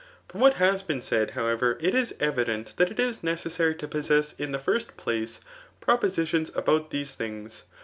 From what has been said, however, it is evident that it is necessary to possess in the first place propodtions about these things.